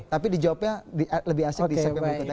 tapi dijawabnya lebih asik di segmen berikutnya